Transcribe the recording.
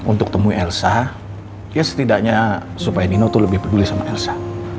untuk temui elsa ya setidaknya supaya nino tuh lebih peduli sama elsa